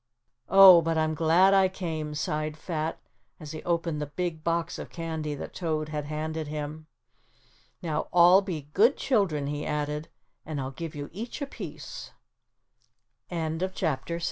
"Oh, but I'm glad I came," sighed Fat, as he opened the big box of candy that Toad had handed him. "Now all be good children," he added, "and I'll give you each a piece." CHAPTER VII THE SEARCH FOR THE SILVE